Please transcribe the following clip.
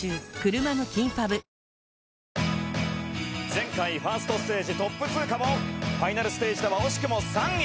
前回１ｓｔステージトップ通過もファイナルステージでは惜しくも３位。